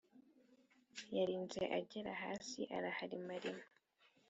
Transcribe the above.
yarinze agera hasi araharimarima,